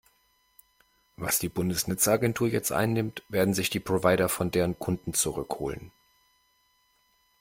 Was die Bundesnetzagentur jetzt einnimmt, werden sich die Provider von deren Kunden zurück holen.